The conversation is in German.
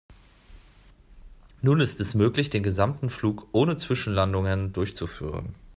Nun ist es möglich, den gesamten Flug ohne Zwischenlandungen durchzuführen.